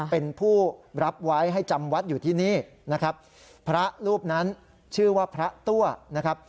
เป็นผู้รับไว้ให้จำวัดอยู่ที่นี่นะครับพระรูปนั้นชื่อว่าพระตัวนะครับ